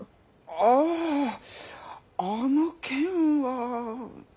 あぁあの件は。